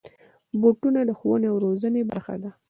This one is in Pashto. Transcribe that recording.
بوټونه د ښوونې او روزنې برخه دي.